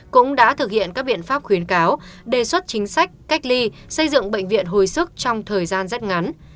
cũng đã thực hiện các biện pháp khuyến cáo đề xuất chính sách cách ly xây dựng bệnh viện hồi sức trong thời gian rất ngắn